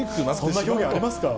そんな表現ありますか？